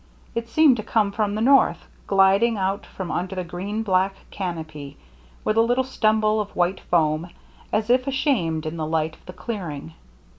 It seemed to come from the north, gliding out from under the green black canopy with a little stumble of white foam, as if ashamed in the light of the clearing.